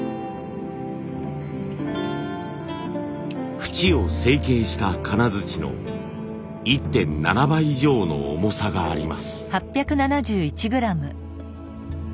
フチを成形した金づちの１．７倍以上の重さがあります。